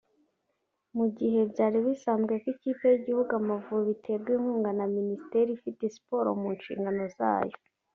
Mu gihe byari bisanzwe ko ikipe y'igihugu Amavubi iterwa inkunga na Minisiteri ifite Siporo mu nshingano zayo